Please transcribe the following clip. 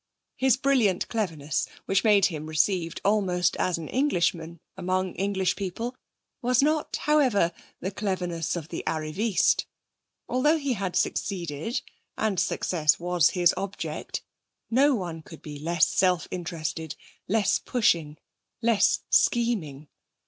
His brilliant cleverness, which made him received almost as an Englishman among English people, was not, however, the cleverness of the arriviste. Although he had succeeded, and success was his object, no one could be less self interested, less pushing, less scheming.